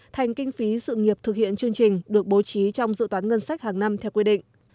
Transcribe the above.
thành kinh phí sự nghiệp thực hiện chương trình được bố trí trong dự toán ngân sách hàng năm theo quy định